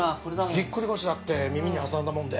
ぎっくり腰だって耳に挟んだもんで。